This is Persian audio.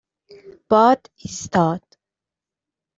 باد ایستاد.